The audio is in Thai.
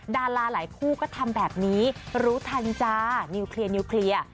ดาราหลายคู่ก็ทำแบบนี้รู้ทันจ้านิวเคลียร์